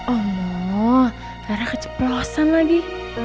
omong gara gara keceplosan lagi